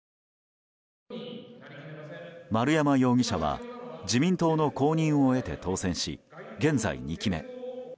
丸山容疑者は自民党の公認を得て当選し現在、２期目。